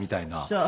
そう。